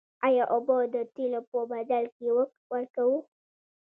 آیا اوبه د تیلو په بدل کې ورکوو؟